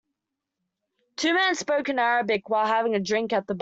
Two men spoke in Arabic while having a drink at the bar.